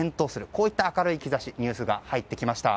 こういった明るい兆しニュースが入ってきました。